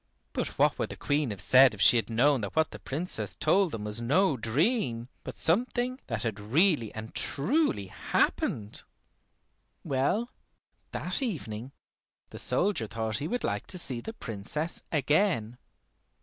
But what would the Queen have said if she had known that what the Princess told them was no dream, but something that had really and truly happened? Well, that evening the soldier thought he would like to see the Princess again.